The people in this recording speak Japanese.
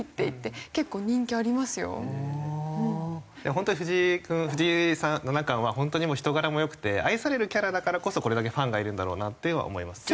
ホントに藤井君藤井さん七冠はホントにもう人柄も良くて愛されるキャラだからこそこれだけファンがいるんだろうなっていうのは思います。